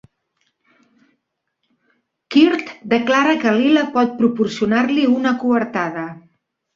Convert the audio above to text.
Quirt declara que Lila pot proporcionar-li una coartada.